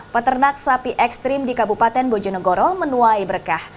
peternak sapi ekstrim di kabupaten bojonegoro menuai berkah